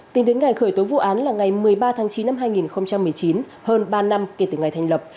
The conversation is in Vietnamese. tính đến ngày khởi tố vụ án là ngày một mươi ba tháng chín năm hai nghìn một mươi chín hơn ba năm kể từ ngày thành lập